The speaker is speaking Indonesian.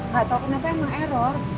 gak tau kenapa emang error